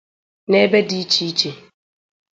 n’ebe dị ịche ịche